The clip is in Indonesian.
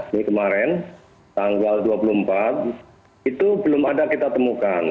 ini kemarin tanggal dua puluh empat itu belum ada kita temukan